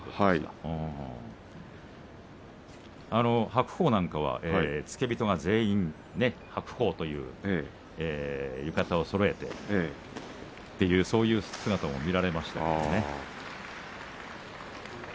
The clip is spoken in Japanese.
白鵬などは付け人全員白鵬という浴衣をそろえてというそういう姿も見られました。